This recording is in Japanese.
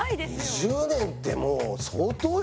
２０年ってもう相当よ。